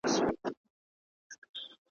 چي نن ولویږي له تخته سبا ګوري `